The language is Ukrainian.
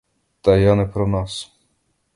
Та я не про нас.